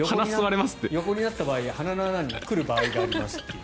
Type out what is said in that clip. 横になった場合鼻の穴に来る場合がありますって。